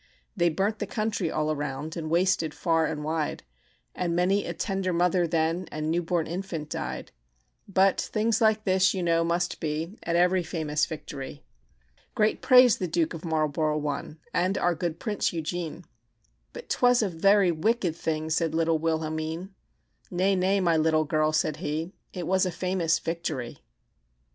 "They burnt the country all around, And wasted far and wide, And many a tender mother then And new born infant died; But things like this, you know, must be, At every famous victory. "Great praise the Duke of Marlborough won, And our good Prince Eugene." "But 'twas a very wicked thing," Said little Wilhelmine. "Nay, nay, my little girl," said he, "It was a famous victory."